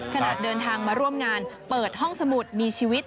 ขณะเดินทางมาร่วมงานเปิดห้องสมุดมีชีวิต